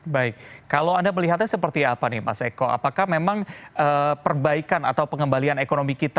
baik kalau anda melihatnya seperti apa nih mas eko apakah memang perbaikan atau pengembalian ekonomi kita